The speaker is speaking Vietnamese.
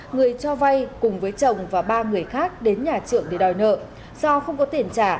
người cho vay cùng với chồng và ba người khác đến nhà trưởng để đòi nợ do không có tiền trả